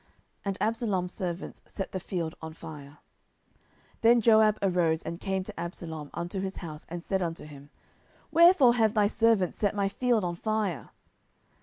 And Absalom's servants set the field on fire. 10:014:031 Then Joab arose, and came to Absalom unto his house, and said unto him, Wherefore have thy servants set my field on fire?